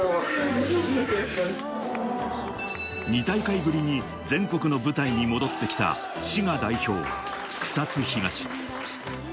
２大会ぶりに全国の舞台に戻ってきた滋賀代表・草津東。